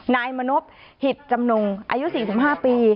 นายมณพหิตจำนงอายุ๔๕ปี